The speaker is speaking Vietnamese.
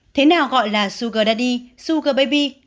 thế nào gọi là sugar daddy sugar baby